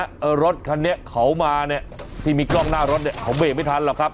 รถคันนี้เขามาเนี่ยที่มีกล้องหน้ารถเนี่ยเขาเบรกไม่ทันหรอกครับ